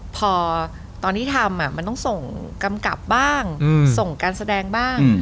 พอตอนที่ทำมันต้องส่งกำกับบ้างส่งการแสดงบ้าง